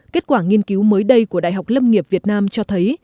kết quả nghiên cứu mới đây của đại học lâm nghiệp việt nam cho thấy